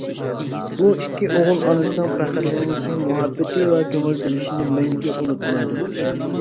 بۇ ئىككى ئوغۇل ئانىسىنىڭ پەخىرلىنىشى، مۇھەببىتى ۋە كۆڭۈل بۆلۈشىنى مەڭگۈ ئۇنتۇمايدۇ.